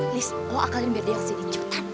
liz lo akalin biar dia gak jadi cutan